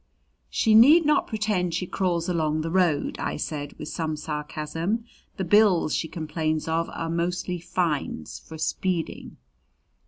"She need not pretend she crawls along the road," I said with some sarcasm. "The bills she complains of are mostly fines for speeding."